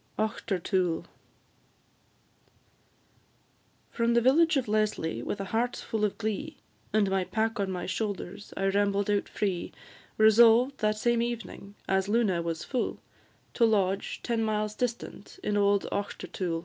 AUCHTERTOOL. From the village of Leslie, with a heart full of glee, And my pack on my shoulders, I rambled out free, Resolved that same evening, as Luna was full, To lodge, ten miles distant, in old Auchtertool.